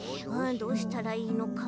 どうしたらいいのか。